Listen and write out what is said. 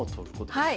はい。